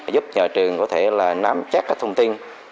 giúp nhà trường có thể là nắm chắc các thông tin